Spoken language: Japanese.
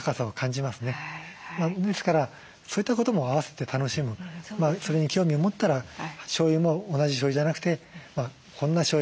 ですからそういったことも合わせて楽しむそれに興味を持ったらしょうゆも同じしょうゆじゃなくてこんなしょうゆあそこのしょうゆ